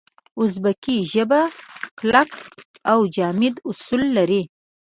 اوزبکي ژبه کلک او جامد اصول لري.